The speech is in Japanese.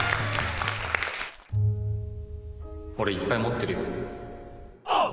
俺いっぱい持ってるよ。